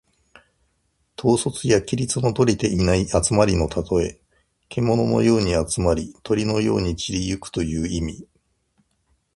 統率や規律のとれていない集まりのたとえ。けもののように集まり、鳥のように散り行くという意味。